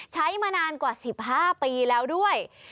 ใช้มานานกว่า๑๕ปีแล้วด้วย